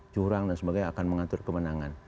curang dan sebagainya akan mengatur kemenangan